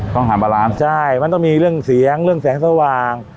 มหาบารานใช่มันต้องมีเรื่องเสียงเรื่องแสงสว่าง